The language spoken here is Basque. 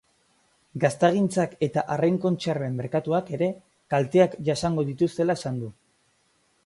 Gaztagintzak eta arrain-kontserben merkatuak ere kalteak jasango dituztela esan du.